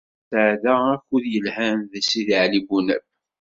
Nesɛedda akud yelhan deg Sidi Ɛli Bunab.